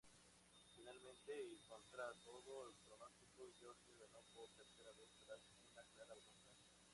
Finalmente, y contra todo pronostico, Georgia ganó por tercera vez tras una clara votación.